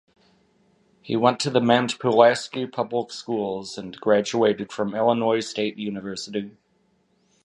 He went to the Mount Pulaski Public Schools and graduated from Illinois State University.